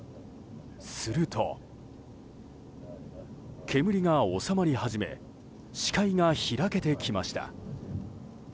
すると、煙が収まり始め視界が開けてきました。